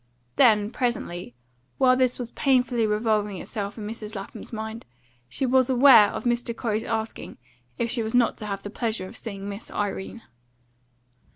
Then, presently, while this was painfully revolving itself in Mrs. Lapham's mind, she was aware of Mrs. Corey's asking if she was not to have the pleasure of seeing Miss Irene.